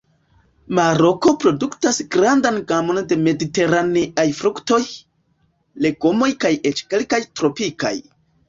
Maroko produktas grandan gamon de mediteraneaj fruktoj, legomoj kaj eĉ kelkaj tropikaj.